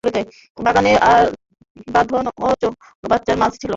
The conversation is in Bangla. বাগানে বাঁধানো চৌবাচ্চায় মাছ ছিল।